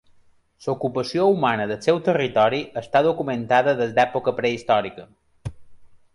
L'ocupació humana del seu territori està documentada des d'època prehistòrica.